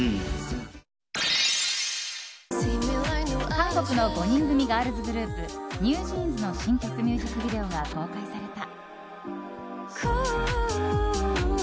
韓国の５人組ガールズグループＮｅｗＪｅａｎｓの新曲ミュージックビデオが公開された。